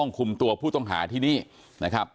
นี่คือภาพล่าสุดของวันนี้ที่สพปักธงชัย